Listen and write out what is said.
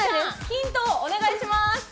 ヒント、お願いします。